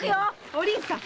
お凛さん